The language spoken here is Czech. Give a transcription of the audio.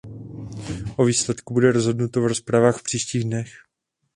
O výsledku bude rozhodnuto v rozpravách v příštích dnech.